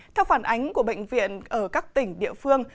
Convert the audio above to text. theo phản ánh của bệnh viện ở các tỉnh địa phương